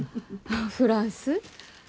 フランス？